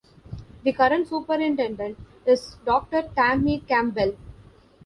The current Superintendent is Doctor Tammy Campbell.